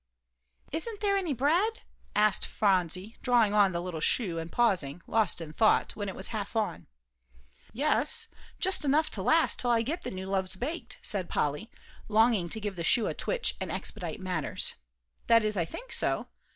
"Isn't there any bread?" asked Phronsie, drawing on the little shoe, and pausing, lost in thought, when it was half on. "Yes, just enough to last till I get the new loaves baked," said Polly, longing to give the shoe a twitch and expedite matters; "that is, I think so.